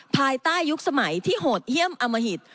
ภายใต้ยุคสมัยที่โหดเยี่ยมอมหิต